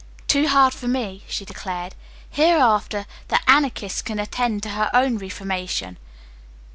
"Too hard for me," she declared. "Hereafter, the Anarchist can attend to her own reformation.